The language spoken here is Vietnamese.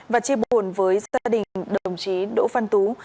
và chia buồn với gia đình đồng chí đỗ văn tú